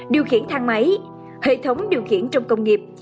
điều khiển thang máy hệ thống điều khiển trong công nghiệp